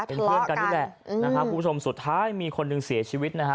เป็นเพื่อนกันนี่แหละนะครับคุณผู้ชมสุดท้ายมีคนหนึ่งเสียชีวิตนะฮะ